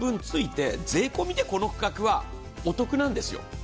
１万円分ついて、税込みでこの価格はお得なんですよ。